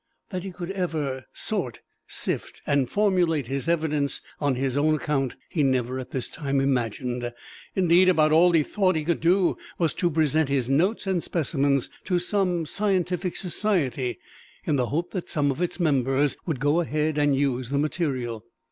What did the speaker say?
That he could ever sort, sift and formulate his evidence on his own account, he never at this time imagined. Indeed, about all he thought he could do was to present his notes and specimens to some scientific society, in the hope that some of its members would go ahead and use the material.